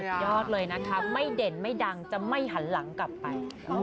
ยอดเลยนะคะไม่เด่นไม่ดังจะไม่หันหลังกลับไป